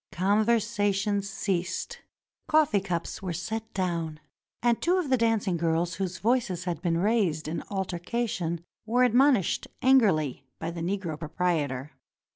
Conversation ceased; coffee cups were set down, and two of the dancing girls whose voices had been raised in altercation were admonished angrily by the Negro proprietor.